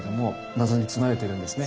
謎に包まれてるんですね。